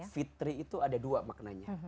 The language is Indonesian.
fitri itu ada dua maknanya